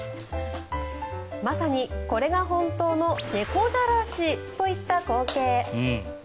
まさにこれが本当の猫じゃらしといった光景。